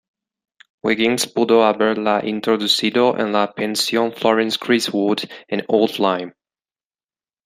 Wiggins pudo haberla introducido en la pensión "Florence Griswold" en "Old Lyme".